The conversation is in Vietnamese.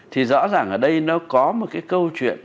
thì rõ ràng ở đây nó có một cái câu chuyện